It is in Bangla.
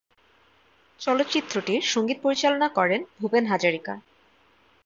চলচ্চিত্রটির সংগীত পরিচালনা করেন ভূপেন হাজারিকা।